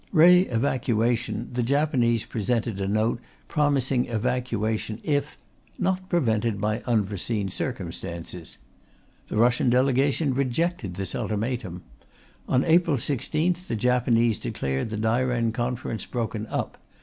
Re evacuation, the Japanese presented a Note promising evacuation if "not prevented by unforeseen circumstances." The Russian Delegation rejected this ultimatum. On April 16th the Japanese declared the Dairen Conference broken up.